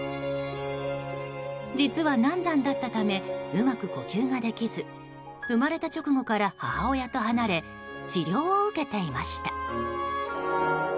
実は、難産だったためうまく呼吸ができず生まれた直後から母親と離れ治療を受けていました。